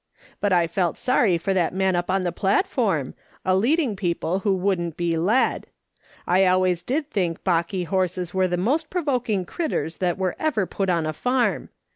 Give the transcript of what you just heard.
But I felt sorry for that man up on the platform, a leading people who wouldn't be led. I always did think balky horses were the most provoking critters that were ever put on a farm.